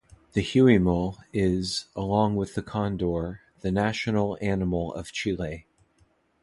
The huemul is, along with the condor, the national animal of Chile.